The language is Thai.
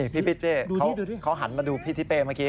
นี่พี่ปิ๊เต้เขาหันมาดูพี่ปิ๊เต้เมื่อกี้